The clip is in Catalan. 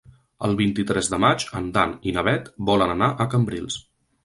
El vint-i-tres de maig en Dan i na Bet volen anar a Cambrils.